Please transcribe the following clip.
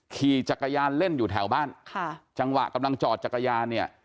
ขี่จักรยานเล่นอยู่แถวบ้านค่ะจังหวะกำลังจอดจักรยานเนี่ย